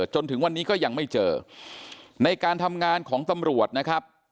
จนถึงวันนี้ก็ยังไม่เจอในการทำงานของตำรวจนะครับ